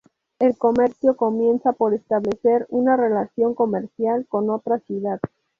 El comercio comienza por establecer una relación comercial con otra ciudad.